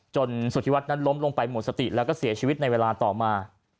สุธิวัฒนนั้นล้มลงไปหมดสติแล้วก็เสียชีวิตในเวลาต่อมา